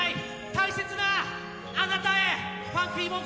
大切なあなたへ。